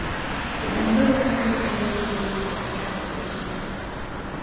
په ځانګړو غونډو کې د دوی نظریات وپېژنئ.